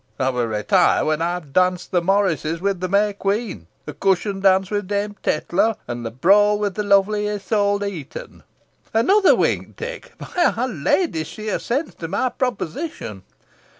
I will retire when I have danced the Morisco with the May Queen the Cushion Dance with Dame Tetlow and the Brawl with the lovely Isole de Heton. Another wink, Dick. By our Lady! she assents to my proposition.